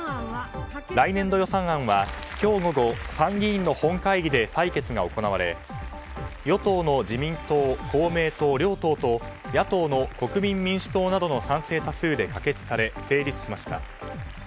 来年度予算案は今日午後、参議院の本会議で採決が行われ与党の自民党・公明党両党と野党の国民民主党などの賛成多数で可決され、成立しました。